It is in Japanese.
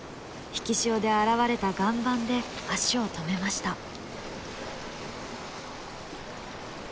引き潮で現れた岩盤で足を止めました。